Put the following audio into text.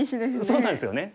そうなんですよね。